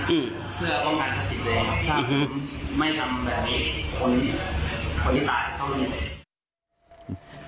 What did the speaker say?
อืมเพื่อป้องกันสิบเลยไม่ทำแบบคนคนที่ตายเขาเนี้ย